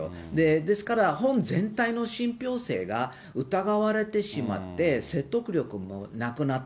ですから本全体の信ぴょう性が疑われてしまって、説得力もなくなった。